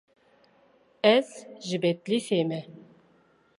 Ez ji Bedlîsê me.